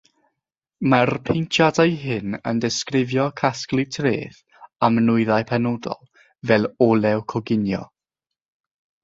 Mae'r paentiadau hyn yn disgrifio casglu treth am nwyddau penodol, fel olew coginio.